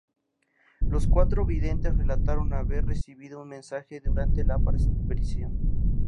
Los cuatro videntes relataron haber recibido un mensaje durante la aparición.